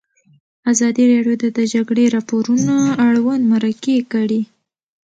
ازادي راډیو د د جګړې راپورونه اړوند مرکې کړي.